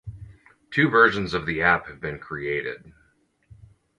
Two versions of the app have been created.